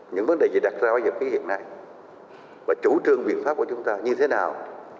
những vấn đề chỉ đặt ra bằng những cái hiện nay và chủ trương viện pháp của chúng ta như thế nào